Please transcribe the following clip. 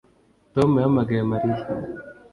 Tom yahamagaye Mariya